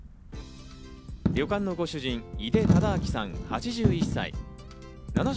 旅館のご主人・井出忠昭さん、８１歳。